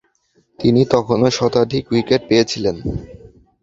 তিনি তখনো শতাধিক উইকেট পেয়েছিলেন।